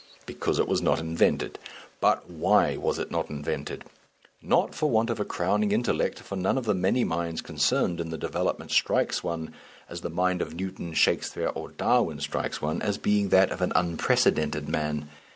Because it was not invented. But why was it not invented? Not for want of a crowning intellect, for none of the many minds concerned in the development strikes one as the mind of Newton, Shakespeare, or Darwin strikes one as being that of an unprecedented man.